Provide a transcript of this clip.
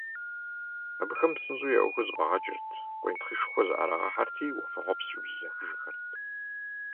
Абыхэм псынщӀэу я Ӏуэхур зэфӀагъэкӀырт, къуентхъышхуэ зыӀэрагъэхьэрти, уафэхъуэпскӀыу бзэхыжхэрт.